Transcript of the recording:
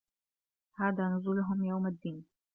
هذا نُزُلُهُم يَومَ الدّينِ